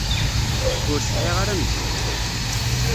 Ur sεiɣ ara am zik.